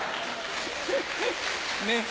ねっ。